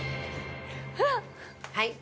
はい。